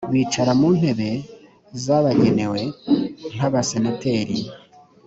bicara mu ntebe zabagenewe nk abasenateri